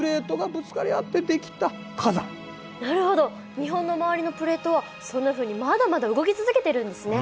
日本の周りのプレートはそんなふうにまだまだ動き続けてるんですね。